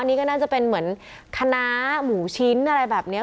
นี่ก็น่าจะเป็นเหมือนคณะหมูชิ้นอะไรแบบนี้